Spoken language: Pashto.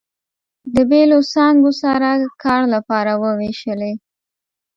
د بېلو څانګو سره کار لپاره ووېشلې.